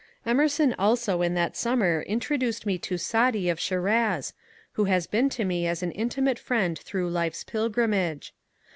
Emerson also in that summer introduced me to Saadi of Schiraz, who has been to me as an intimate friend through life's pilgrimage.